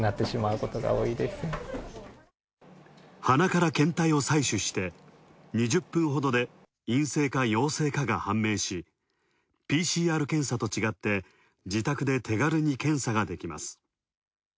鼻から検体を採取して２０分ほどで陰性か陽性かが判明し、ＰＣＲ検査と違って自宅で手軽に検査ができます。